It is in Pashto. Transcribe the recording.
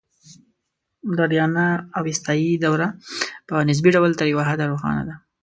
د آریانا اوستایي دوره په نسبي ډول تر یو حده روښانه ده